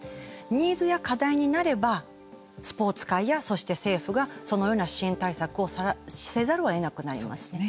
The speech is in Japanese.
ニーズや課題になればスポーツ界や、そして政府がそのような支援対策をせざるをえなくなりますね。